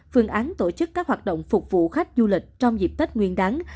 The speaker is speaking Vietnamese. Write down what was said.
phương án tổ chức các hoạt động phục vụ khách du lịch trong dịp tết nguyên đáng